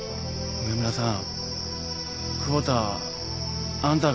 上村さん。